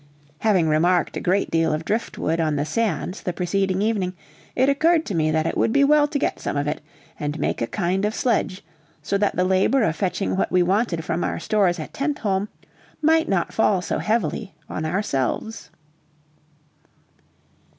Having remarked a great deal of driftwood on the sands the preceding evening, it occurred to me that it would be well to get some of it, and make a kind of sledge, so that the labor of fetching what we wanted from our stores at Tentholm might not fall so heavily on ourselves.